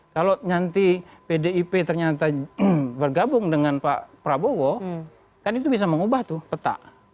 kalau nanti pdip ternyata bergabung dengan pak prabowo kan itu bisa mengubah tuh peta